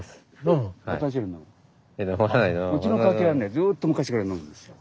うちの家系はねずっと昔から飲むんですよ。